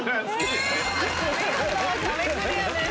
見事壁クリアです。